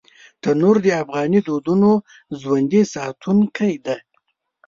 تنور د افغاني دودونو ژوندي ساتونکی دی